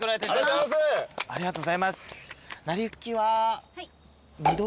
２回目ありがとうございます。